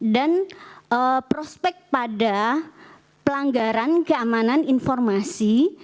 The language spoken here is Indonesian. dan prospek pada pelanggaran keamanan informasi